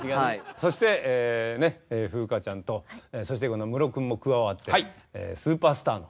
そしてね風花ちゃんとそして今度はムロ君も加わって「スーパースター」の。